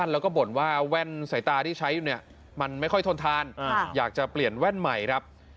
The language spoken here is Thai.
แล้วก็บ่นว่าแว่นสายตาที่ใช้อยู่เนี่ยมันไม่ค่อยทนทานอยากจะเปลี่ยนแว่นใหม่ครับ